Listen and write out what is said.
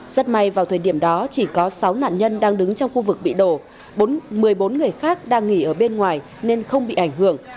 rất may vào thời điểm đó chỉ có sáu nạn nhân đang đứng trong khu vực bị đổ một mươi bốn người khác đang nghỉ ở bên ngoài nên không bị ảnh hưởng